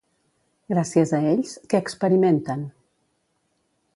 Gràcies a ells, què experimenten?